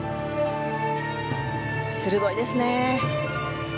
鋭いですね。